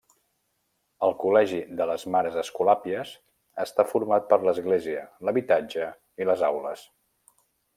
El Col·legi de les Mares Escolàpies està format per l'església, l'habitatge i les aules.